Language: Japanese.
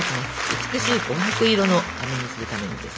美しい琥珀色のあめにするためにです。